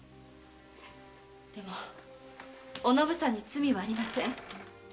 でもおのぶさんに罪はありません。